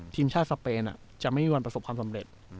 ทีมชาติสเปนจะไม่มีวันประสบความสำเร็จ